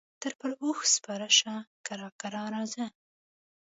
ته پر اوښ سپره شه کرار کرار راځه.